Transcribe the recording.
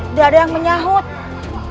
nggak ada yang menyahutnya